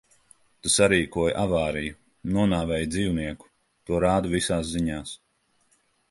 Tu sarīkoji avāriju, nonāvēji dzīvnieku. To rāda visās ziņās.